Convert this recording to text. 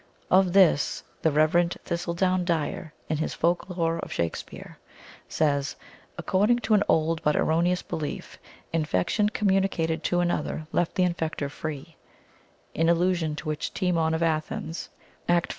Of this the Rev. Thistleton Dyer, in his Folk Lore of Shakespeare, says, " According to an old but erroneous belief, infection communicated to another left the infecter free ; in allusion to which Timon of Athens (Act IV.